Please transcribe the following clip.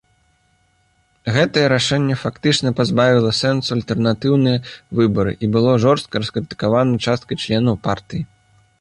Гэтае рашэнне фактычна пазбавіла сэнсу альтэрнатыўныя выбары і было жорстка раскрытыкавана часткай членаў партыі.